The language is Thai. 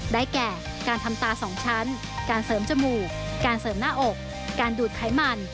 แก่การทำตาสองชั้นการเสริมจมูกการเสริมหน้าอกการดูดไขมัน